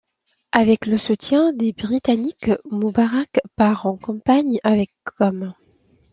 Avec le soutien des Britanniques, Moubarak part en campagne avec hommes.